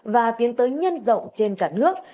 và tiến tới nhân rộng trên cả nước